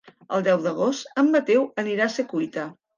El deu d'agost en Mateu anirà a la Secuita.